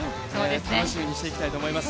楽しみにしていきたいと思います。